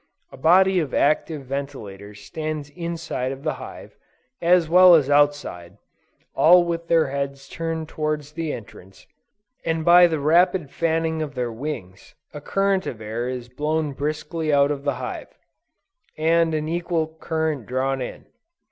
A body of active ventilators stands inside of the hive, as well as outside, all with their heads turned towards the entrance, and by the rapid fanning of their wings, a current of air is blown briskly out of the hive, and an equal current drawn in.